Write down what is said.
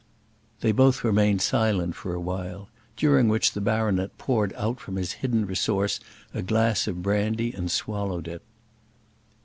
They both remained silent for a while, during which the baronet poured out from his hidden resource a glass of brandy and swallowed it.